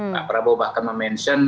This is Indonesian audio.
pak prabowo bahkan memention